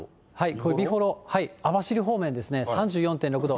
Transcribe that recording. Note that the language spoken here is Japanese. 美幌、網走方面ですね、３４．６度。